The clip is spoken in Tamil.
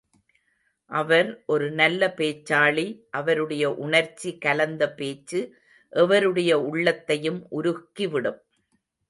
அவர் ஒரு நல்ல பேச்சாளி அவருடைய உணர்ச்சி கலந்த பேச்சு எவருடைய உள்ளத்தையும் உருக்கிவிடும்.